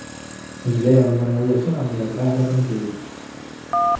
Ning leiame mõne uue sõna, millega tähelepanu püüda.